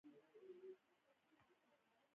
اروپايي علومو او نوي فسلفې څخه یې ګټه اخیستې.